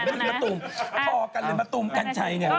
ดูแบบมะตุ๋มพอกันเลยมะตุ๋มกันใช้เนี่ย